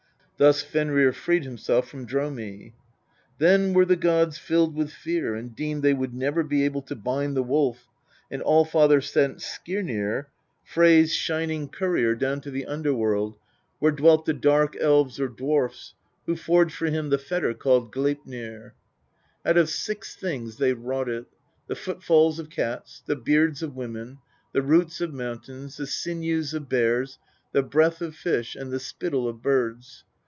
Thus Fenrir freed himself from Dr6mi. " Then were the gods filled with fear and deemed they would never be able to bind the Wolf, and All father sent Skirnir, Frey's shining LXXII THE POETIC EDDA. courier, down te the Underworld, where dwelt the Dark Elves or dwarfs, who forged for him the fetter called Gleipnir. Out of six things they wrought it the footfalls of cats, the beards of women, the roots of mountains, the sinews of bears, the breath of fi>h, and the spittle of birds.